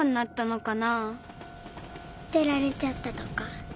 すてられちゃったとか。